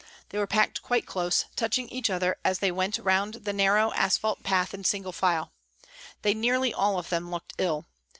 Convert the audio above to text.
They were packed quite close, touching each other as they went round the narrow asphalt path in single file. They nearly all of them looked ill.